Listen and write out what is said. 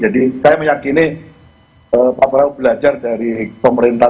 jadi saya meyakini pak prabowo belajar dari pemerintahan